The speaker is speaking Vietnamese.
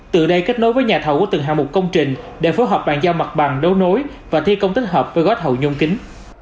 từ đây kết nối với nhà thầu của từng hạng mục công trình để phối hợp bàn giao mặt bằng đấu nối và thi công tích hợp với gói thầu nhôm kính